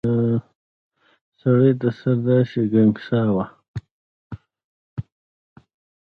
د سړي سر داسې ګنګساوه.